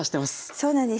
そうなんです。